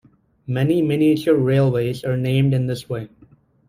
Many miniature railways are named in this way.